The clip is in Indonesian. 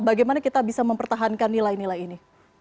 bagaimana kita bisa mempertahankan nilai nilai ini